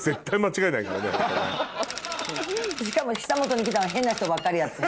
しかも久本に来たんは変な人ばっかりやった。